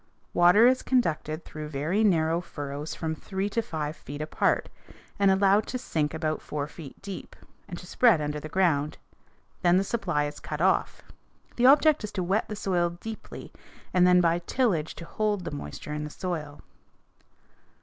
_ Water is conducted through very narrow furrows from three to five feet apart, and allowed to sink about four feet deep, and to spread under the ground. Then the supply is cut off. The object is to wet the soil deeply, and then by tillage to hold the moisture in the soil.